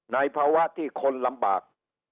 ในภาวะที่คนลำบาก